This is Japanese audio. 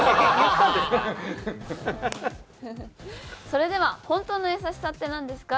それでは「本当のやさしさって何ですか？